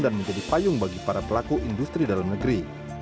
dan menjadi payung bagi para pelaku industri dalam negeri